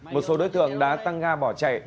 một số đối tượng đã tăng ga bỏ chạy